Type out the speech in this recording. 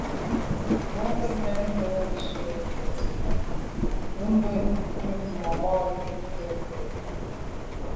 Bwɔ́ŋkə́’ nɛ̀n cɔ́sì ndʉ sɛ́ɛ̀nî ndɛ́mbə̄ júp màmá cúptə́ úp.